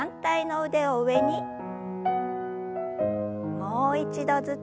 もう一度ずつ。